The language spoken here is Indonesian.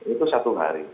itu satu hari